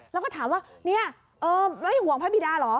เราก็ถามว่าไม่ห่วงพระบีดาร้อ